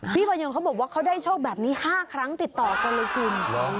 พยงเขาบอกว่าเขาได้โชคแบบนี้๕ครั้งติดต่อกันเลยคุณ